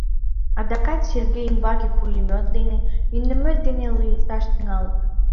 Адакат Сергей ӱмбаке пулемет дене, миномет дене лӱйылташ тӱҥалыт.